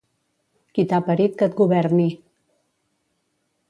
Qui t'ha parit que et governi.